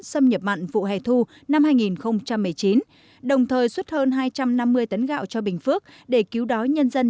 xâm nhập mặn vụ hè thu năm hai nghìn một mươi chín đồng thời xuất hơn hai trăm năm mươi tấn gạo cho bình phước để cứu đói nhân dân